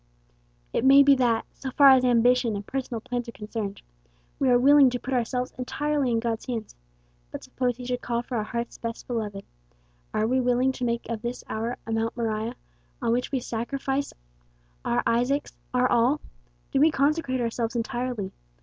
"It may be that, so far as ambition and personal plans are concerned, we are willing to put ourselves entirely in God's hands; but suppose he should call for our hearts' best beloved, are we willing to make of this hour a Mount Moriah, on which we sacrifice our Isaacs our all? Do we consecrate ourselves entirely?